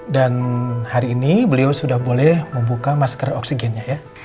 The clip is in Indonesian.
hari ini beliau sudah boleh membuka masker oksigennya ya